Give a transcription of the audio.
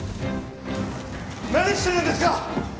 何してるんですか！？